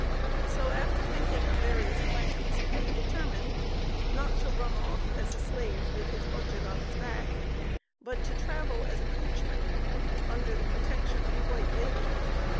So after thinking of various plans, he determined not to run off as a slave with his "budget on his back," but to "travel as a coachman," under the "protection of a white lady."